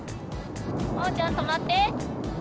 まおちゃん止まって！